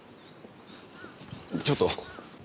ちょっと。